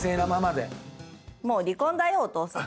もう離婚だよお父さん。